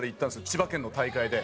千葉県の大会で。